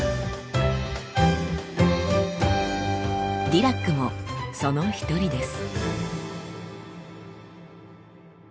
ディラックもその一人です。